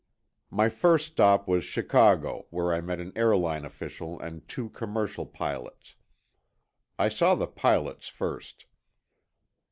My first stop was Chicago, where I met an airline official and two commercial pilots. I saw the pilots first.